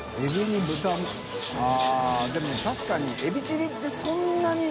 舛でも確かにエビチリってそんなに┘